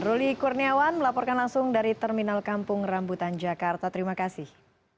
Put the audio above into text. ruli kurniawan melaporkan langsung dari terminal kampung rambutan jakarta terima kasih